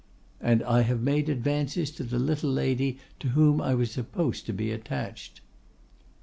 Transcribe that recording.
—'And I have made advances to the little lady to whom I was supposed to be attached.